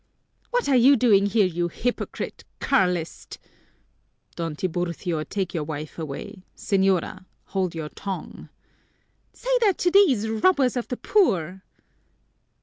"What are you doing here, you hypocrite, Carlist!" "Don Tiburcio, take your wife away! Señora, hold your tongue!" "Say that to these robbers of the poor!"